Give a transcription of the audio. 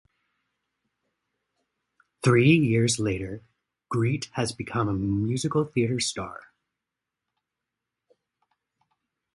Three years later, Grete has become a musical theatre star.